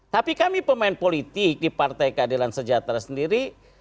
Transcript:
tapi kami pemain politik di partai keadilan sejahtera sendiri